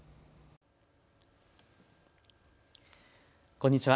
こんにちは。